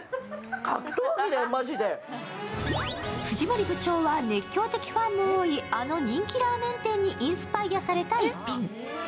藤森部長は熱狂的ファンも多い、あの人気ラーメン店にインスパイアされた逸品。